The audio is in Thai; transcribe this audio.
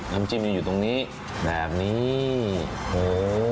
น้ำจิ้มยังอยู่ตรงนี้แบบนี้โห